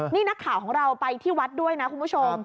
นี่นักข่าวของเราไปที่วัดด้วยนะคุณผู้ชม